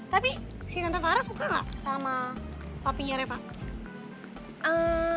tapi si tante farah suka nggak sama papinya reva